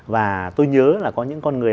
và tôi nhớ là có những con người